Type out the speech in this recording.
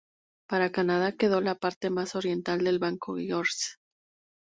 Para Canadá quedó la parte más oriental del banco Georges.